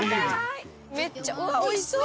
めっちゃおいしそう！